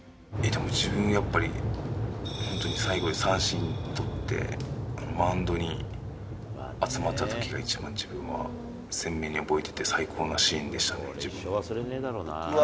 やっぱり自分、本当に最後三振取って、マウンドに集まったときが一番自分は鮮明に覚えてて、最高のシーンでしたね、自分では。